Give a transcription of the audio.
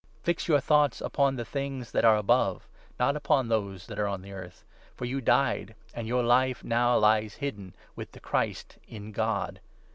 Fix your thoughts upon the things that 2 are above, not upon those that are on earth. For you died, 3 and your Life now lies hidden, with the Christ, in God.